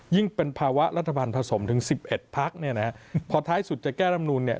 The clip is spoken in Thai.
ยิ่งเป็นภาวะรัฐธรรมน์ผสมถึง๑๑พักเนี่ยนะพอท้ายสุดจะแก้รัฐธรรมนูนเนี่ย